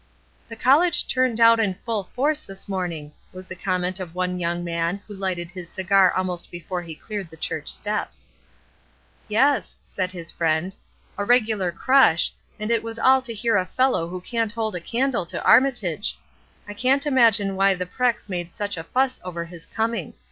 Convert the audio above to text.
''The college turned out in full force this morning," was the comment of one young man who Ughted his cigar almost before he cleared the church steps. "Yes," said his friend. "A regular crush, and it was all to hear a fellow who can't hold a candle to Armitage. I can't imagine why the Prex made such a fuss over his coming.